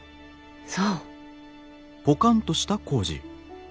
そう。